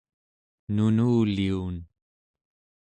nunuliun